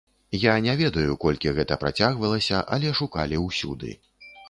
Я не ведаю, колькі гэта працягвалася, але шукалі ўсюды.